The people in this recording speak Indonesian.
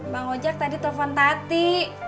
bang ojak tadi telpon tati